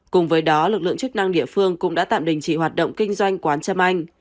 cùng với đó lực lượng chức năng địa phương cũng đã tạm đình chỉ hoạt động kinh doanh quán trâm anh